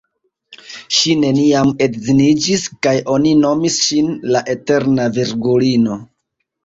Ŝi neniam edziniĝis, kaj oni nomis ŝin "la Eterna Virgulino".